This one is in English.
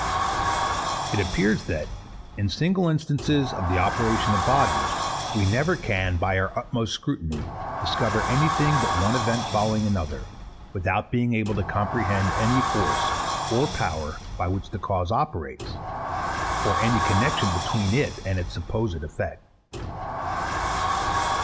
It appears that, in single instances of the operation of bodies, we never can, by our utmost scrutiny, discover any thing but one event following another, without being able to comprehend any force or power by which the cause operates, or any connexion between it and its supposed effect.